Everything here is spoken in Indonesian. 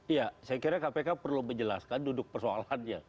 iya saya kira kpk perlu menjelaskan duduk persoalannya